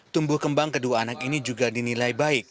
tumbuh kembang kedua anak ini juga dinilai baik